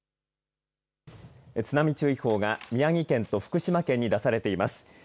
津波注意報が宮城県と福島県に出されています。